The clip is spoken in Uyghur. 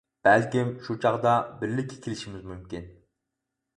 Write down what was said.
بەلكىم شۇ چاغدا بىرلىككە كېلىشىمىز مۇمكىن.